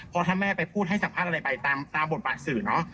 เพราะถ้าแม่ไปพูดให้สัมภาษณ์อะไรไปตามบทบาทสื่อเนาะ